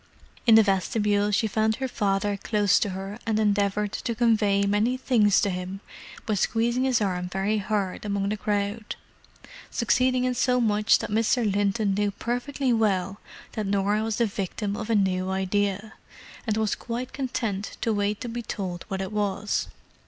In the vestibule she found her father close to her and endeavoured to convey many things to him by squeezing his arm very hard among the crowd, succeeding in so much that Mr. Linton knew perfectly well that Norah was the victim of a new idea—and was quite content to wait to be told what it was.